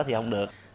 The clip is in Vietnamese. thì không được